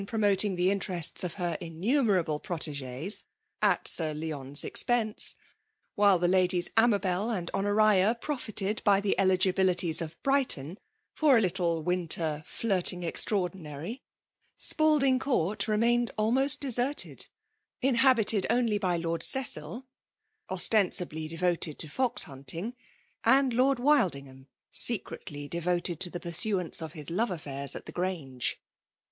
219 iprdmoting the interests of her itiiniiBertiW frotigit at Sir Leon's expense, 'lAild' tfae Indies Amabel and Honoria profited by tli« *l%flittkie« of Brighton, fo^ i little winter iirtaig extraordinary. Spalding Court re maiaed almost deserted; inhabited only by liord Cedl, ostennbly devoted to fox hunting, aiMl Lord WUdnigham, secretly devoted to tUd pursuance of his love allkirs at the Grange!